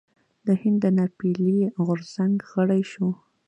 هند د ناپیيلي غورځنګ غړی شو.